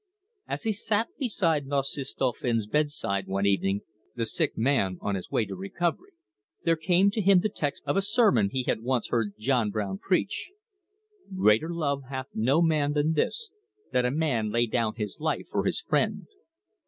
As he sat beside Narcisse Dauphin's bedside, one evening, the sick man on his way to recovery, there came to him the text of a sermon he had once heard John Brown preach: "Greater love hath no man than this, that a man lay down his life for his friend."